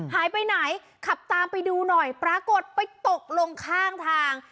หายไปไหนขับตามไปดูหน่อยปรากฏไปตกลงข้างทาง